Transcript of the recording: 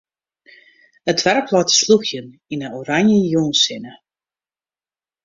It doarp leit te slûgjen yn 'e oranje jûnssinne.